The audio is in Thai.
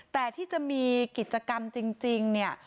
แต่ที่จะมีกิจกรรมจริงเนี่ย